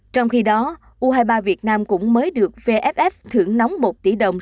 trong khi đó u hai mươi ba việt nam cũng mới được vff thưởng nóng một tỷ đồng